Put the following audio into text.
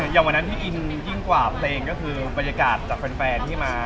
อย่างวันนั้นที่อินยิ่งกว่าเพลงก็คือบรรยากาศจากแฟนที่มา